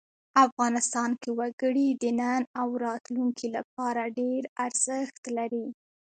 افغانستان کې وګړي د نن او راتلونکي لپاره ډېر ارزښت لري.